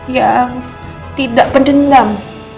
yang tidak pedendam